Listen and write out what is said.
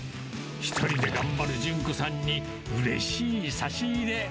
１人で頑張る順子さんにうれしい差し入れ。